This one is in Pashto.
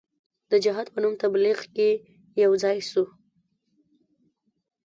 د جهاد په نوم تبلیغ کې یو ځای سو.